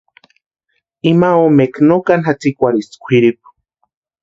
Ima omekwa no kani jatsïkwarhisti kwʼiripu.